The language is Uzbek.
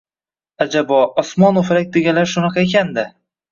— Ajabo, Osmonu Falak deganlari shunaqa ekan-da